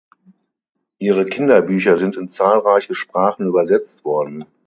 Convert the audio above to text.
Ihre Kinderbücher sind in zahlreiche Sprachen übersetzt worden.